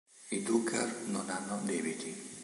I Duggar non hanno debiti.